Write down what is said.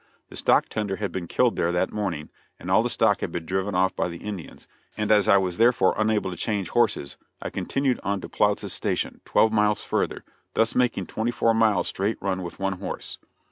The stock tender had been killed there that morning, and all the stock had been driven off by the Indians, and as I was therefore unable to change horses, I continued on to Ploutz's Station twelve miles further thus making twenty four miles straight run with one horse.